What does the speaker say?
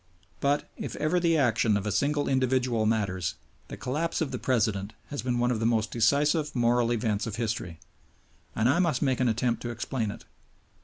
But, if ever the action of a single individual matters, the collapse of The President has been one of the decisive moral events of history; and I must make an attempt to explain it.